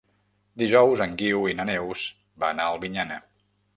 Dijous en Guiu i na Neus van a Albinyana.